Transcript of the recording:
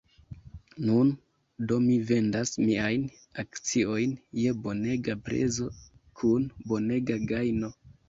Nun do mi vendas miajn akciojn je bonega prezo, kun bonega gajno.